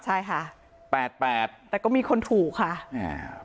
ใช่ค่ะแปดแปดแต่ก็มีคนถูกค่ะอ่า